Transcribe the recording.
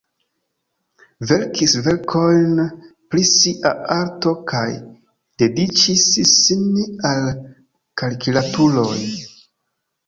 Verkis verkojn pri sia arto kaj dediĉis sin al karikaturoj.